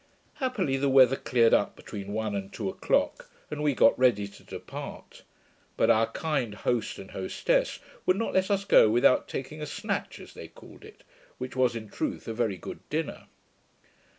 Happily the weather cleared up between one and two o'clock, and we got ready to depart; but our kind host and hostess would not let us go without taking a 'snatch', as they called it; which was in truth a very good dinner.